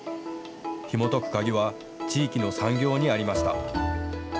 ひもとく鍵は地域の産業にありました。